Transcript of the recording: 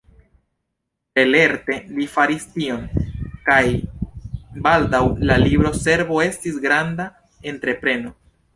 Tre lerte li faris tion, kaj baldaŭ la libro-servo estis granda entrepreno.